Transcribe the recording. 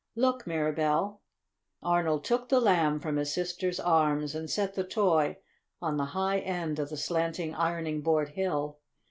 Look, Mirabell!" Arnold took the Lamb from his sister's arms and set the toy on the high end of the slanting ironing board hill.